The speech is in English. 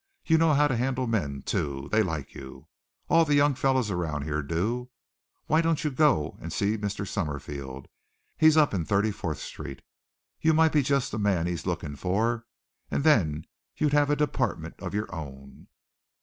You know how to handle men, too. They like you. All the young fellows around here do. Why don't you go and see Mr. Summerfield? He's up in Thirty fourth Street. You might be just the man he's looking for, and then you'd have a department of your own."